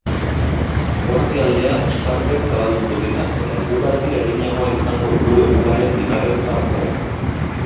Eguerdi aldera ostarteak zabalduko dira eta eguraldi arinagoa izango dugu egunaren bigarren partean.